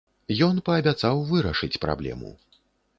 Ён паабяцаў вырашыць праблему.